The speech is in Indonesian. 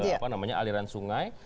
apa namanya aliran sungai